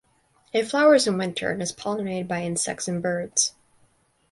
It flowers in winter and is pollinated by insects and birds.